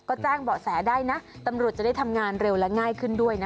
ก็แจ้งเบาะแสได้นะตำรวจจะได้ทำงานเร็วและง่ายขึ้นด้วยนะคะ